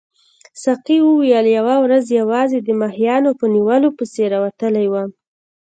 ساقي وویل یوه ورځ یوازې د ماهیانو په نیولو پسې راوتلی وم.